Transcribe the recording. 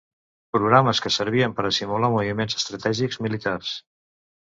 Programes que servien per a simular moviments estratègics militars.